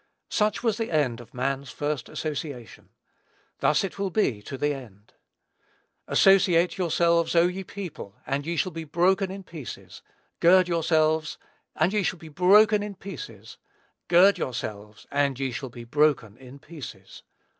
Such was the end of man's first association. Thus it will be to the end. "Associate yourselves, O ye people, and ye shall be broken in pieces ... gird yourselves, and ye shall be broken in pieces; gird yourselves, and ye shall be broken in pieces."